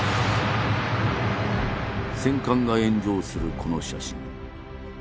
戦艦が炎上するこの写真。